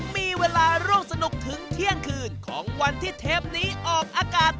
มีเวลาร่วมสนุกถึงเที่ยงคืนของวันที่เทปนี้ออกอากาศ